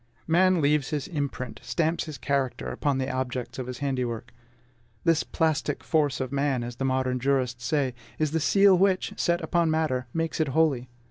Man leaves his imprint, stamps his character, upon the objects of his handiwork. This plastic force of man, as the modern jurists say, is the seal which, set upon matter, makes it holy.